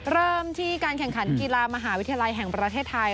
เริ่มที่การแข่งขันกีฬามหาวิทยาลัยแห่งประเทศไทย